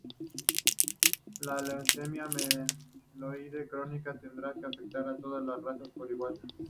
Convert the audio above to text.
La leucemia mieloide crónica tiende a afectar a todas las razas por igual.